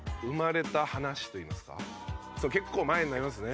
結構前になりますね